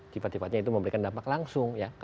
sifat sifatnya itu memberikan dampak langsung